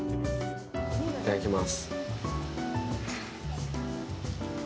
いただきます。